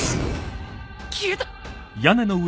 消えた！？